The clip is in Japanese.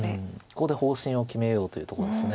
ここで方針を決めようというとこです。